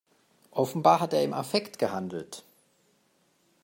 Offenbar hat er im Affekt gehandelt.